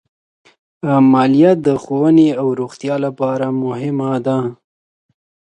مالیه د ښوونې او روغتیا لپاره مهمه ده.